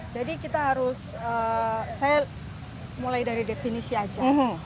jadi kita harus saya mulai dari definisi aja